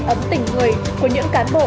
ấm tỉnh người của những cán bộ